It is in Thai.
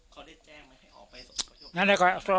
เขาได้แจ้งไหมออกไปส่วนประโยชน์